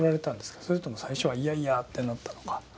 それとも最初はいやいやってなったのか。